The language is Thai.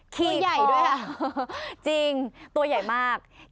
ขี้เคาะจริงตัวใหญ่มากตัวใหญ่ด้วย